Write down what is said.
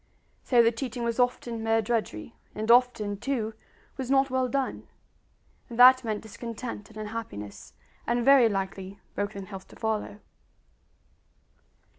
So the teaching was often mere drudgery, and often, too, was not well done; and that meant discontent and unhappiness, and very likely broken health to follow.